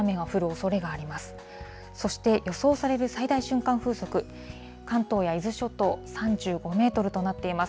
そして予想される最大瞬間風速、関東や伊豆諸島、３５メートルとなっています。